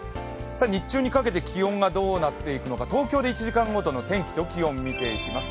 日中にかけて気温がどうなっていくのか、東京で１時間ごとの気温と天気を見ていきます。